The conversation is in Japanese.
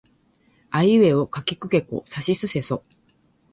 あいうえおかきくけこさしせそ